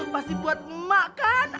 pasti buat emak kan